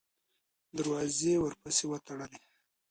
دروازې یې ورپسې وتړلې.